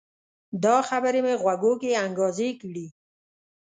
دا خبرې مې غوږو کې انګازې کړي